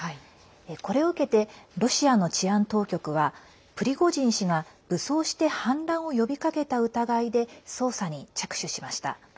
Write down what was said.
これを受けてロシアの治安当局はプリゴジン氏が武装して反乱を呼びかけた疑いで捜査に着手しました。